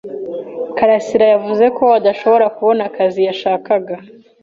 karasira yavuze ko adashobora kubona akazi yashakaga.